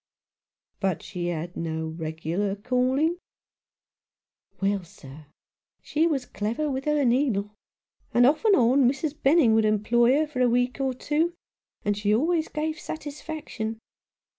" But had she no regular calling ?" "Well, sir, she was clever with her needle, and off and on Mrs. Benning would employ her for a week or two, and she always gave satisfaction.